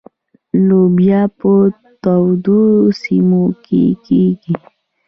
لوبیا په تودو سیمو کې کیږي.